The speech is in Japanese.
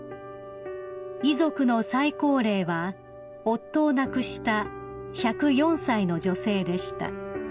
［遺族の最高齢は夫を亡くした１０４歳の女性でした］